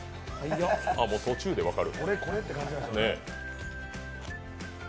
もう途中で分かる。